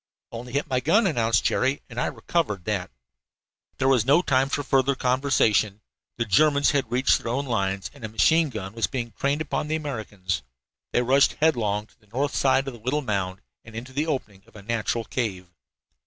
"Only hit my gun," announced Jerry, "and I recovered that." There was no time for further conversation. The Germans had reached their own lines, and a machine gun was being trained upon the Americans. They rushed headlong to the north side of the little mound, and into the opening of a natural cave.